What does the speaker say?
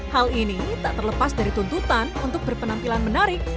hal ini tak terlepas dari tuntutan untuk berpenampilan menarik